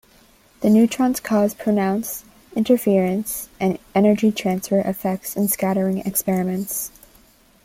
The neutrons cause pronounced interference and energy transfer effects in scattering experiments.